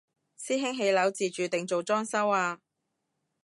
師兄起樓自住定做裝修啊？